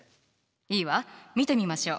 いいわ見てみましょう。